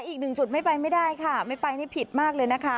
อีกหนึ่งจุดไม่ไปไม่ได้ค่ะไม่ไปนี่ผิดมากเลยนะคะ